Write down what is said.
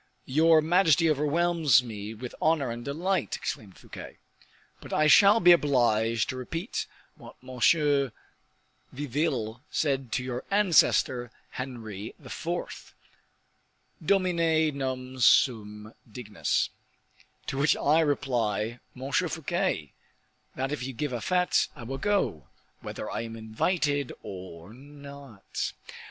"Your majesty overwhelms me with honor and delight," exclaimed Fouquet, "but I shall be obliged to repeat what M. Vieuville said to your ancestor, Henry IV., Domine non sum dignus." "To which I reply, Monsieur Fouquet, that if you give a fete, I will go, whether I am invited or not."